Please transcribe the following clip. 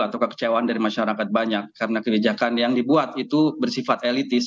atau kekecewaan dari masyarakat banyak karena kebijakan yang dibuat itu bersifat elitis